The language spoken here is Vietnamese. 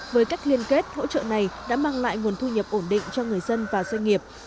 với cách liên kết hỗ trợ này đã mang lại nguồn thu nhập ổn định cho người dân và doanh nghiệp